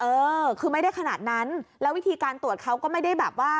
เออคือไม่ได้ขนาดนั้นแล้ววิธีการตรวจเขาก็ไม่ได้แบบว่า